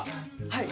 はい！